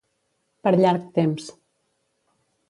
Per llarg temps.